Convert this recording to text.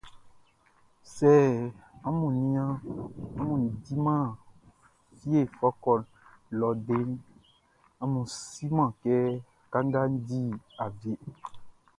Sɛ amun nin a diman fie fɔkɔ lɔ deʼn, amun su siman kɛ kanga di awieʼn.